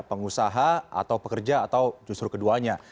pengusaha atau pekerja atau justru keduanya